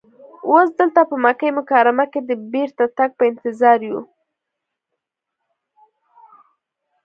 اوس دلته په مکه مکرمه کې د بېرته تګ په انتظار یو.